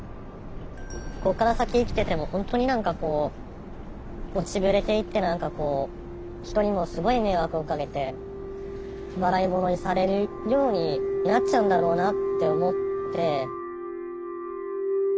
ここから先生きてても本当に何かこう落ちぶれていって何かこう人にもすごい迷惑をかけて笑いものにされるようになっちゃうんだろうなって思って。